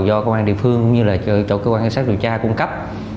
do công an địa phương như là chỗ công an xét điều tra cung cấp